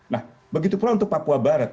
nah begitu pula untuk papua barat